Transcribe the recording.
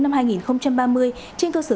năm hai nghìn ba mươi trên cơ sở